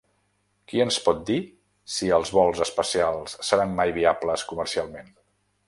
Qui ens pot dir si els vols espacials seran mai viables comercialment?